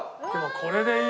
これでいい。